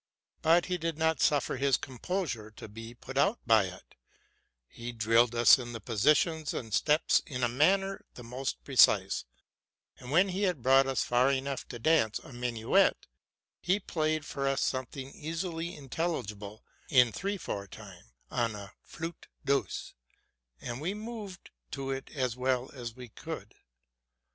But he did not suffer his com posure to be put out by it: he drilled us in the positions and steps in a manner the most precise; and, when he had brought us far enough to dance a minuet, he played for us something easily intelligible in three four time, on a flute douce, and we moved to it as well as we could.